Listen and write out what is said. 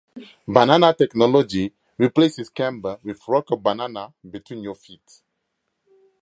Banana Technology replaces camber with rocker "Banana" between your feet.